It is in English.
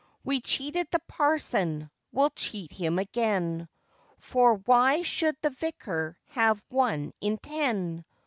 We cheated the parson, we'll cheat him again; For why should the vicar have one in ten?